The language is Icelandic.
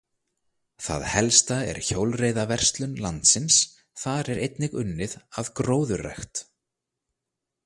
Það helsta er hjólreiðaverslun landsins, þar er einnig unnið að gróðurrækt.